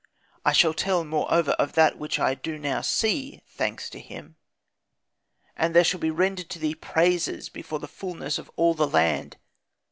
I shall tell, moreover, of that which I do now see (thanks to him), and there shall be rendered to thee praises before the fulness of all the land.